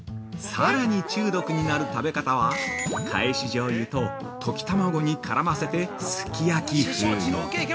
◆さらに中毒になる食べ方は、かえしじょう油と溶き卵にからませてすき焼き風に。